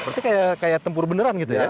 berarti kayak tempur beneran gitu ya